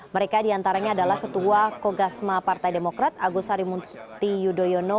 mereka diantaranya adalah ketua kogasma partai demokrat agus harimunti yudhoyono